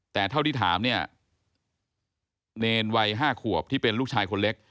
แต่เท่าที่ถามเนี่ยเนรวัย๕ขวบที่เป็นลูกชายคนเล็ก